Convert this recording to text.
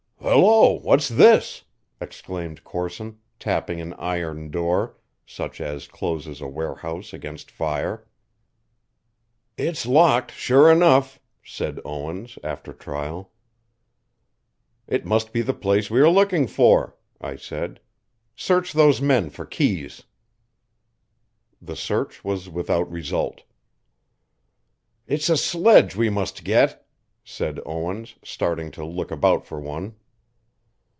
"Hello! What's this?" exclaimed Corson, tapping an iron door, such as closes a warehouse against fire. "It's locked, sure enough," said Owens, after trial. "It must be the place we are looking for," I said. "Search those men for keys." The search was without result. "It's a sledge we must get," said Owens, starting to look about for one.